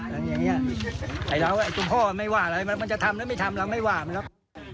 อย่างเงี้ยไอ้เราค่ะขุมพ่อไม่ว่าอะไรมันมันจะทำนั้นไม่ทำเรามันไม่ว่ามัน